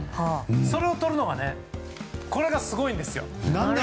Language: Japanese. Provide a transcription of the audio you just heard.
それをとるのがこれがすごいんですよ。